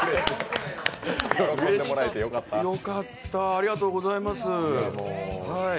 よかった、ありがとうございます。